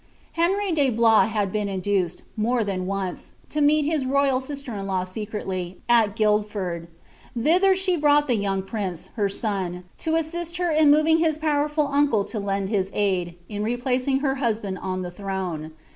Henry de Blois had be«i induced, more than oott, '.o meet hia roj^l sister in law secretly, at Guildford. Thither tbt srouglil the young prince, her son,' to assist her in moving his powufal uncle to lend his aid, in replacing her husband on the throne.